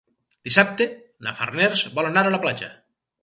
Dissabte na Farners vol anar a la platja.